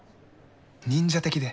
忍者的で。